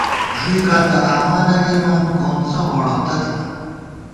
ݫُوئیکاں تہ آما نہ لېئیمان ، گونڅہ غوڑوتہ تھنہ